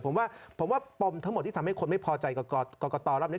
ผมว่าปมทั้งหมดที่ทำให้คนไม่พอใจก่อนก่อนต่อแล้ว